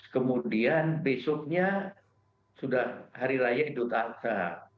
kemudian besoknya sudah hari raya idul adha